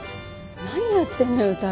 何やってんのよ巧